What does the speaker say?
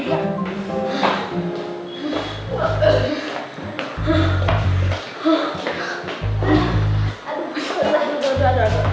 aduh aduh aduh aduh